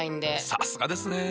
さすがですね。